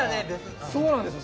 そうなんですよ。